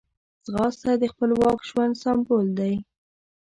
ځغاسته د خپلواک ژوند سمبول دی